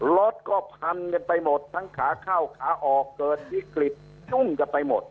รถก็พันกันไปหมดทั้งขาเข้าขาออกเกิดวิกฤตยุ่งกันไปหมด